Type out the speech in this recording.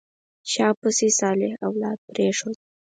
شا پسې صالح اولاد پرېښود.